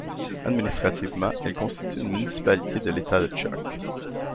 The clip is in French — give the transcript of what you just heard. Administrativement, elle constitue une municipalité de l'État de Chuuk.